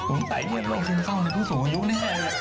อู๋ผมใส่เย็นลงซึมเศร้าในครุ่งสองอายุแน่